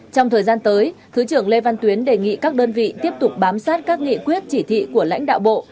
trong thời gian tới thứ trưởng lê văn tuyến đề nghị các đơn vị tiếp tục bám sát các nghị quyết chỉ thị của lãnh đạo bộ